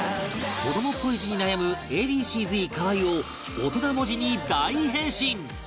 子どもっぽい字に悩む Ａ．Ｂ．Ｃ−Ｚ 河合を大人文字に大変身！